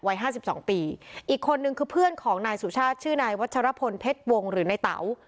ห้าสิบสองปีอีกคนนึงคือเพื่อนของนายสุชาติชื่อนายวัชรพลเพชรวงหรือในเต๋า